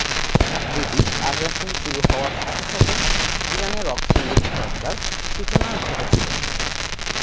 British আগ্রাসন শুরু হওয়ার সাথে সাথে ইরানে রক সঙ্গীত চর্চার সূচনা ঘটেছিল।